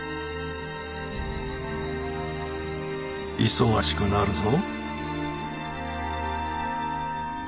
忙しくなるぞ。